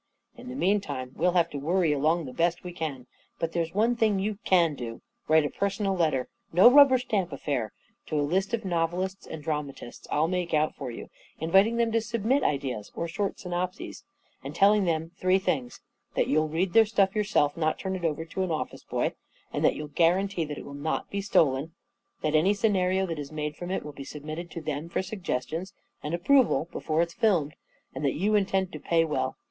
44 In the meantime, we'll have to worry along the best we can. But there's one think you can do — write a personal letter — no rubber stamp affair — to a list of novelists ^nd dramatists I'll make out A KING IN BABYLON 13 for you, inviting them to submit ideas, or short synopses, and telling them three things — that you'll read their stuff yourself, not turn it over to an office boy, and that you'll guarantee that it will not be stolen; that any scenario that is made from it will be submitted to them for suggestions and ap proval before it is filmed; and that you intend to pay well.